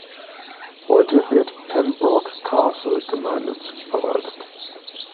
Heute wird Pembroke Castle gemeinnützig verwaltet.